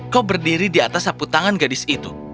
kau berdiri di atas sapu tangan gadis itu